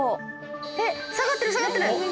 えっ下がってる下がってる。